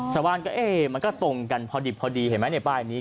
ชาวบ้านก็มันก็ตรงกันพอดีเห็นไหมในป้ายนี้